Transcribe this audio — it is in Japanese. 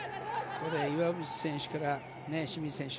ここで岩渕選手から清水選手。